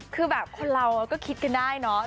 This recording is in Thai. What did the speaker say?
คือแบบคนเราก็คิดกันได้เนอะ